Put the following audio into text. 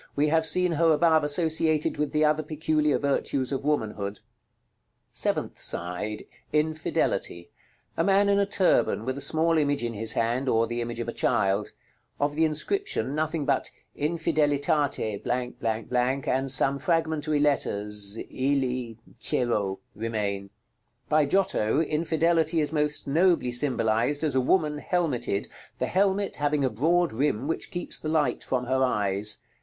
We have seen her above associated with the other peculiar virtues of womanhood. § LXXV. Seventh side. Infidelity. A man in a turban, with a small image in his hand, or the image of a child. Of the inscription nothing but "INFIDELITATE " and some fragmentary letters, "ILI, CERO," remain. By Giotto Infidelity is most nobly symbolized as a woman helmeted, the helmet having a broad rim which keeps the light from her eyes.